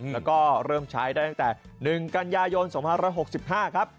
แล้วก็เริ่มใช้ได้ตั้งแต่๑กันยายน๒๕๖๕ครับ